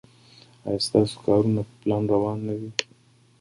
ایا ستاسو کارونه په پلان روان نه دي؟